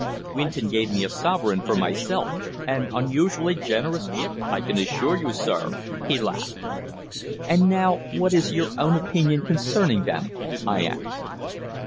Winton gave me a sovereign for myself an unusually generous gift, I can assure you, sir," he laughed. "And now what is your own opinion concerning them?" I asked.